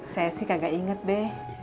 saya sih kagak inget deh